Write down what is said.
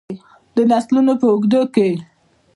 د نسلونو په اوږدو کې.